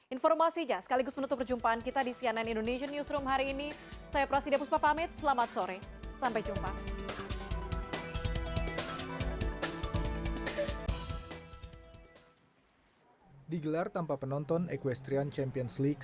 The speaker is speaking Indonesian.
informasinya sekaligus menutup perjumpaan kita di cnn indonesian newsroom hari ini